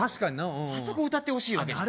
うんあそこ歌ってほしいわけ